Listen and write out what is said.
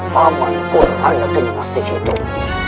paman kurang ada geni masih hidup